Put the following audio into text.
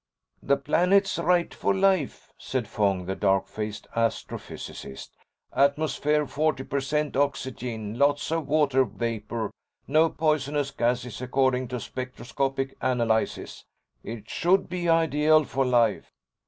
"The planet's right for life," said Fong, the dark faced astro physicist. "Atmosphere forty per cent oxygen, lots of water vapor. No poisonous gases, according to spectroscopic analyses. It should be ideal for life."